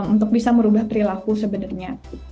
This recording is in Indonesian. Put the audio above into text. untuk bisa merubah perilaku sebenarnya